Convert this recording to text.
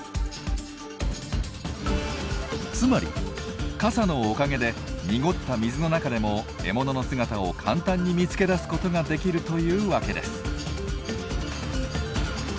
つまり傘のおかげで濁った水の中でも獲物の姿を簡単に見つけ出すことができるというわけです。